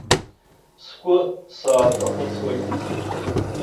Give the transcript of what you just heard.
Сгәы сааҭахәыцуеит.